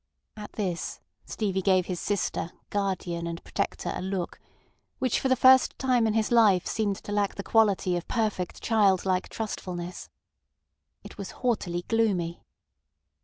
At this Stevie gave his sister, guardian and protector a look, which for the first time in his life seemed to lack the quality of perfect childlike trustfulness. It was haughtily gloomy.